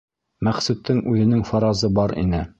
Мәҡсүттең үҙенең фаразы бар ине.